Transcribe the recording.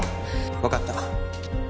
分かった。